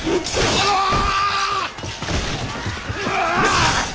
ああ。